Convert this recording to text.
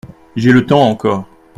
J’ai le temps encore.